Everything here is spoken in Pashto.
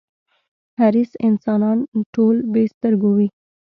حریص انسانان ټول بې سترگو وي.